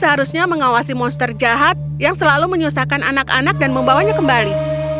seharusnya mengawasi monster jahat yang selalu menyusahkan anak anak dan membawanya kembali